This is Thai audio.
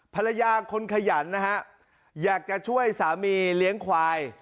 ภรรยาคนขยันนะฮะอยากจะช่วยสามีเลี้ยงควาย